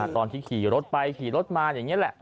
ตอนที่ขี่รถไปขี่รถมาอย่างนี้แหละ